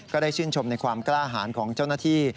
ก็ได้ชื่นชมในความกล้าหารของเจ้าหน้าที่